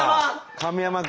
神山君。